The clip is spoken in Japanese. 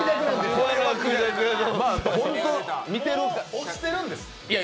押してるんです！